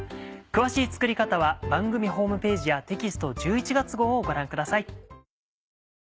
詳しい作り方は番組ホームページやテキスト１１月号をご覧ください。